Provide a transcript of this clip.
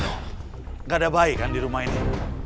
tidak ada baik kan di rumah ini